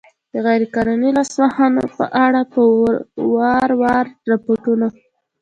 د غیر قانوني لاسوهنو په اړه په وار وار ریپوټون